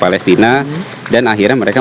palestina dan akhirnya mereka